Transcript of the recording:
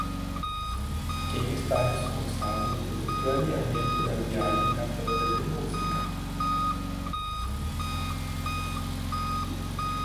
Quem está responsável pelo planeamento da viagem da banda de música?